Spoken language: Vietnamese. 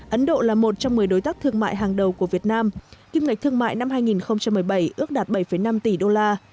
ấn độ là một trong một mươi đối tác thương mại hàng đầu của việt nam kim ngạch thương mại năm hai nghìn một mươi bảy ước đạt bảy năm tỷ đô la